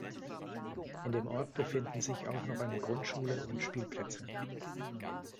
In dem Ort befinden sich auch noch eine Grundschule und Spielplätze.